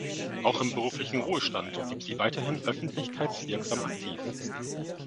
Auch im beruflichen Ruhestand blieb sie weiterhin öffentlichkeitswirksam aktiv.